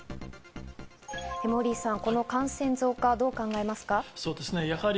モーリーさん、この感染増加、どう考えますか？